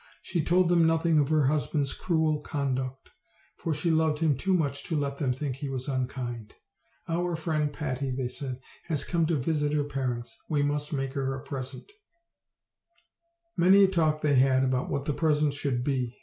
She told them nothing of her husband's cruel conduct, for she loved him too much to let them think he was unkind. "Our friend Patty," they said, "has come to visit her parents; we must make her a present." OLD, OLD FAIRT TALES. 2? Many a talk they had about what the present should be.